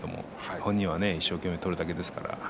本人は一生懸命取るだけですから。